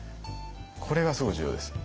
これがすごい重要です。